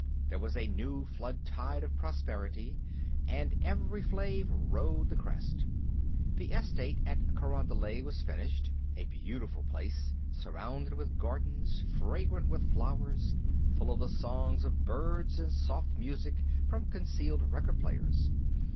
There was a new flood tide of prosperity, and Evri Flave rode the crest. The estate at Carondelet was finished a beautiful place, surrounded with gardens, fragrant with flowers, full of the songs of birds and soft music from concealed record players.